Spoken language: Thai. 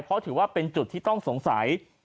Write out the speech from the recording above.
เพราะถือว่าเป็นจุดที่ต้องสงสัย